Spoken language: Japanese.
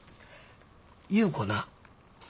優子な。